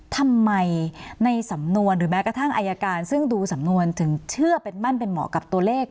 ทำไมในสำนวนหรือแม้กระทั่งอายการซึ่งดูสำนวนถึงเชื่อเป็นมั่นเป็นเหมาะกับตัวเลข